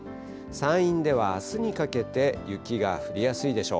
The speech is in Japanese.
山陰ではあすにかけて、雪が降りやすいでしょう。